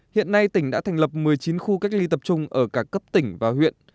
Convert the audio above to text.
hiện nay tỉnh đã thành lập một mươi chín khu cách ly tập trung ở cả cấp tỉnh và huyện